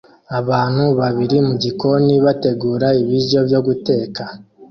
Abantu babiri mu gikoni bategura ibiryo byo guteka